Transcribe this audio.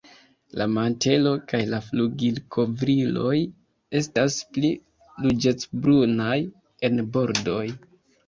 La mantelo kaj la flugilkovriloj estas pli ruĝecbrunaj en bordoj.